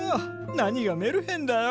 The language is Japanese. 何がメルヘンだよ。